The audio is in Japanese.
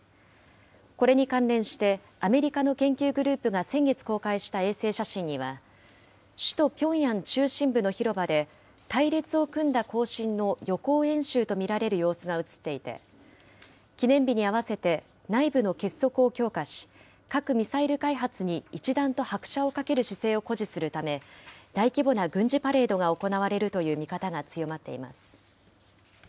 これに関連して、アメリカの研究グループが先月公開した衛星写真には、首都ピョンヤン中心部の広場で、隊列を組んだ行進の予行演習と見られる様子が写っていて、記念日に合わせて内部の結束を強化し、核・ミサイル開発に一段と拍車をかける姿勢を誇示するため、大規模な軍事パレードが行われるという見方が強まっています。